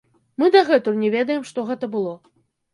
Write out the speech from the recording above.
Мы дагэтуль не ведаем, што гэта было.